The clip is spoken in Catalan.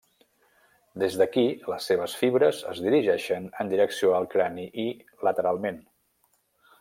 Des d'aquí les seves fibres es dirigeixen en direcció al crani i lateralment.